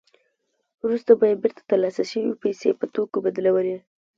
وروسته به یې بېرته ترلاسه شوې پیسې په توکو بدلولې